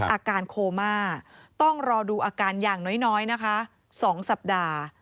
อาการโคม่าต้องรอดูอาการอย่างน้อยนะคะ๒สัปดาห์